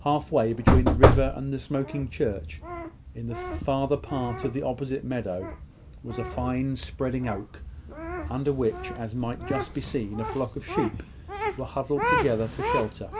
Half way between the river and the smoking church, in the farther part of the opposite meadow, was a fine spreading oak, under which, as might just be seen, a flock of sheep were huddled together for shelter.